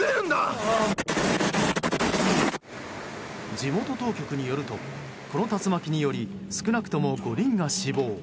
地元当局によるとこの竜巻により少なくとも５人が死亡。